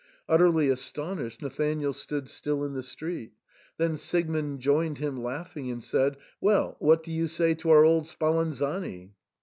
Utterly astonished, Nathanael stood still in the street; then Siegmund joined him, laughing, and said, "Well, what do you say to our old Spalanzani?"